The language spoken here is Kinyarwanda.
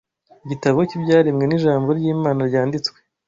Igitabo cy’ibyaremwe n’ijambo ry’Imana ryanditswe